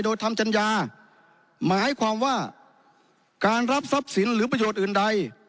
โดยทำจัญญาหมายความว่าการรับทรัพย์สินหรือประโยชน์อื่นใด